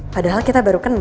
padahal kita baru kenal